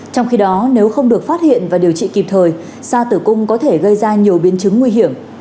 trong khi đó nếu không được phát hiện và điều trị kịp thời da tử cung có thể gây ra nhiều biến chứng nguy hiểm